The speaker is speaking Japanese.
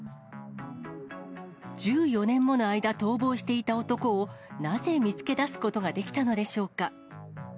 １４年もの間逃亡していた男をなぜ見つけ出すことができたのでしょうか。